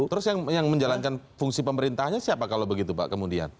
terus yang menjalankan fungsi pemerintahnya siapa kalau begitu pak kemudian